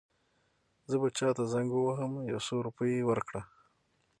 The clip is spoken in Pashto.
زه به چاته زنګ ووهم یو څو روپۍ ورکړه.